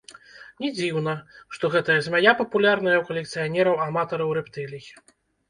Не дзіўна, што гэтая змяя папулярная ў калекцыянераў-аматараў рэптылій.